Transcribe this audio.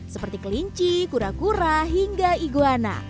seperti kelinci kura kura hingga iguana